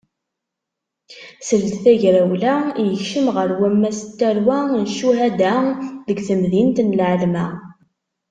Seld tagrawla, yekcem ɣer wammas n tarwa n ccuhada deg temdint n Lɛelma.